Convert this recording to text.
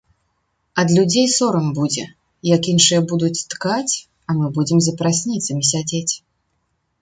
Ад людзей сорам будзе, як іншыя будуць ткаць, а мы будзем за прасніцамі сядзець.